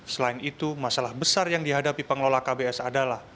selain itu masalah besar yang dihadapi pengelola kbs adalah